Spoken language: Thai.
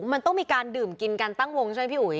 มันต้องมีการดื่มกินกันตั้งวงใช่ไหมพี่อุ๋ย